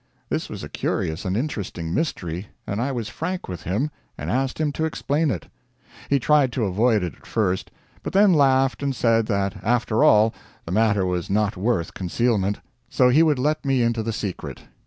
This was a curious and interesting mystery, and I was frank with him, and asked him to explain it. He tried to avoid it at first; but then laughed and said that after all, the matter was not worth concealment, so he would let me into the secret.